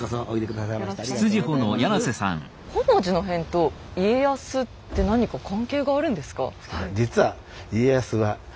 本能寺の変と家康って何か関係があるんですか？